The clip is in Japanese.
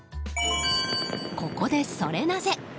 ここで、ソレなぜ？